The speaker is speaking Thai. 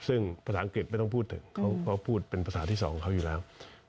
ซึ่งภาษาอังกฤษไม่ต้องพูดถึงเขาพูดเป็นภาษาที่สองเขาอยู่แล้ว